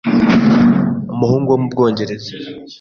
Umuhungu wo mu Bwongereza